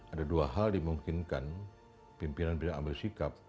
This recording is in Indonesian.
ada dua hal dimungkinkan pimpinan pimpinan ambil sikap